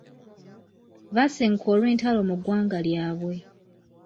Baasenguka olw'entalo mu ggwanga lyabwe.